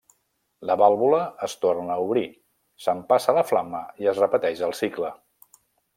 La vàlvula es torna a obrir, s'empassa la flama i es repeteix el cicle.